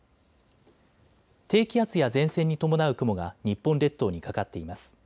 低気圧や前線に伴う雲が日本列島にかかっています。